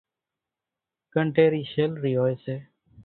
ڳنڍيرِي شيلرِي هوئيَ سي۔